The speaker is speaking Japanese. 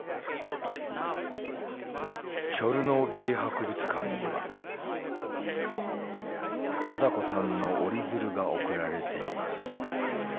チョルノービリ博物館には禎子さんの折り鶴が贈られています